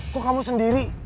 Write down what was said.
kok kamu sendiri